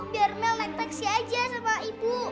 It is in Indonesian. biar mel naik taksi aja sama ibu